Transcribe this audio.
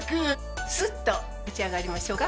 スッと立ち上がりましょうか。